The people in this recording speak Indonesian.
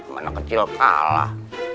mana kecil kalah